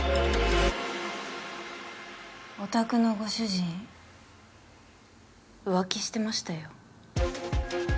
お宅のご主人浮気してましたよ。